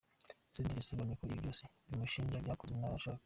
Senderi yasobanuye ko ibi byose bimushinjwa byakozwe nabashaka.